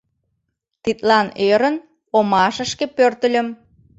Тидлан ӧрын, омашышке пӧртыльым.